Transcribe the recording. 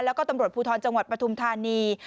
แล้วก็ตำรวจภูทรจังหวัดปฐุมธานี